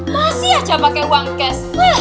masih aja pakai uang cash